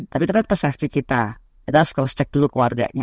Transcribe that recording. tapi itu kan perspektif kita kita harus terus cek dulu ke warganya